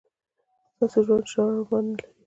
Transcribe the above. ستاسو ژوند ژوره مانا لري.